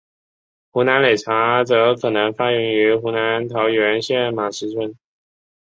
湖南擂茶则可能发源于湖南桃源县马石村。